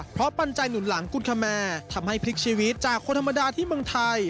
เพราะปัญญาหนุนหลังกุณฑแมร์ทำให้พลิกชีวิตจากคนธรรมดาที่เมืองไทย